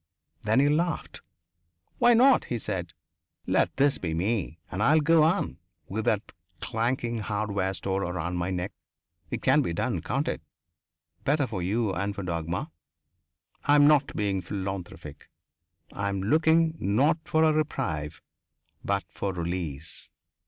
Then he laughed. "Why not?" he said. "Let this be me. And I'll go on, with that clanking hardware store around my neck. It can be done, can't it? Better for you and for Dagmar. I'm not being philanthropic. I'm looking, not for a reprieve, but for release.